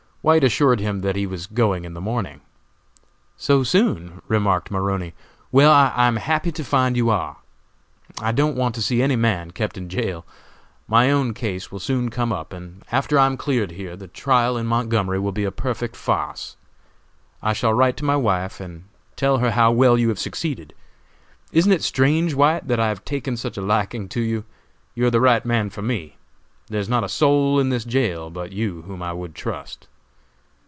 White assured him that he was going in the morning. "So soon?" remarked Maroney; "well, I am happy to find you are. I don't want to see any man kept in jail. My own case will soon come up, and after I am cleared here, the trial in Montgomery will be a perfect farce. I shall write to my wife and tell her how well you have succeeded. Isn't it strange, White, that I have taken such a liking to you? You are the right man for me. There is not a soul in this jail but you whom I would trust."